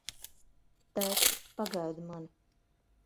Tēt, pagaidi mani!